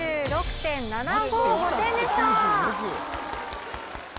９６．７５５点でした！